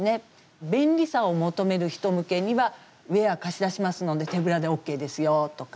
便利さを求める人向けには「ウェア貸し出しますので手ぶらでＯＫですよ」とか。